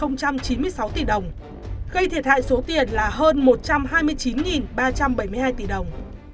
gây thiệt hại số tiền là hơn một trăm hai mươi chín ba trăm bảy mươi hai tỷ đồng